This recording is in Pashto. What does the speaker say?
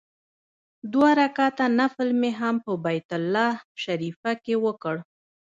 دوه رکعته نفل مې هم په بیت الله شریفه کې وکړ.